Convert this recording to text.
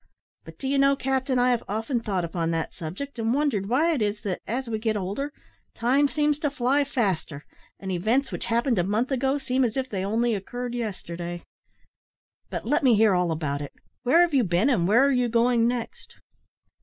But do you know, captain, I have often thought upon that subject, and wondered why it is that, as we get older, time seems to fly faster, and events which happened a month ago seem as if they only occurred yesterday. But let me hear all about it. Where have you been, and where are you going next?"